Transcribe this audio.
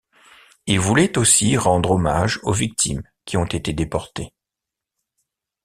Il voulait aussi rendre hommage aux victimes qui ont été déportées.